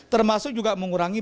termasuk juga mengurangi